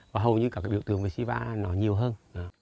và hầu như các cái biểu tượng về siva nó nhiều hơn